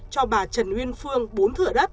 cho bà trần nguyên phương bốn thửa đất